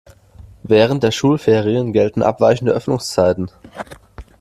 Während der Schulferien gelten abweichende Öffnungszeiten.